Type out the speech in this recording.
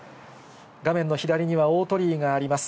画面の左には大鳥居があります。